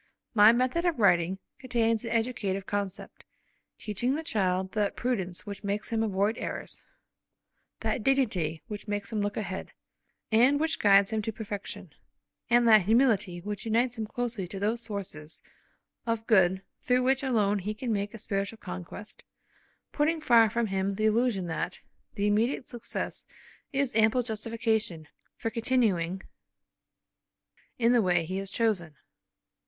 My method of writing contains an educative concept; teaching the child that prudence which makes him avoid errors, that dignity which makes him look ahead, and which guides him to perfection, and that humility which unites him closely to those sources of good through which alone he can make a spiritual conquest, putting far from him the illusion that the immediate success is ample justification for continuing in the way he has chosen.